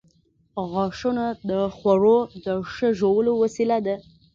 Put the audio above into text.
• غاښونه د خوړو د ښه ژولو وسیله ده.